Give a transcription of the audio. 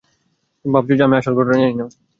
তুমি ভাবছ যে, আমি আসল ঘটনা জানি না?